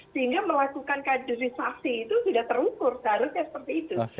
sehingga melakukan kaderisasi itu sudah terukur seharusnya seperti itu